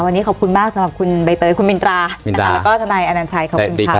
วันนี้ขอบคุณมากสำหรับคุณใบเตยคุณมินตรานะคะแล้วก็ทนายอนัญชัยขอบคุณค่ะ